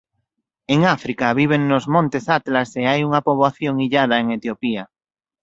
En África viven nos montes Atlas e hai unha poboación illada en Etiopía.